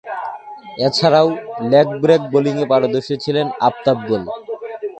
এছাড়াও, leg break বোলিংয়ে পারদর্শী ছিলেন আফতাব গুল।